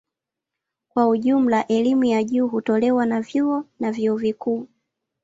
Kwa jumla elimu ya juu hutolewa na vyuo na vyuo vikuu.